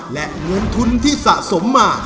และเงินทุนที่สะสมมา